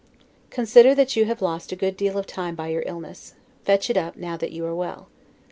Consider that you have lost a good deal of time by your illness; fetch it up now that you are well.